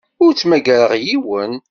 Ur ttmagareɣ yiwen.